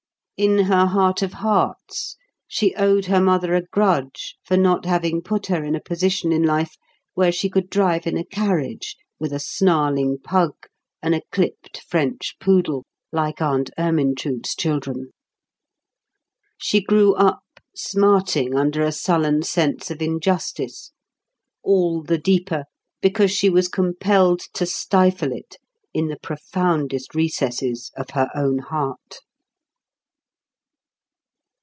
In her heart of hearts, she owed her mother a grudge for not having put her in a position in life where she could drive in a carriage with a snarling pug and a clipped French poodle, like Aunt Ermyntrude's children. She grew up, smarting under a sullen sense of injustice, all the deeper because she was compelled to stifle it in the profoundest recesses of her own heart.